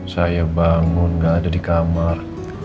saya bangun gak ada di kamar